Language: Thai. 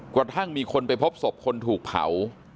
กระทั่งมีคนไปพบศพคนถูกเผา